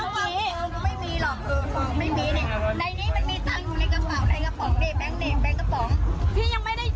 คุณให้พี่ต้องกินนะครับคุณพี่นะครับ